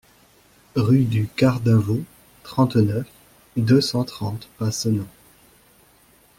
Rue du Quart d'Avaux, trente-neuf, deux cent trente Passenans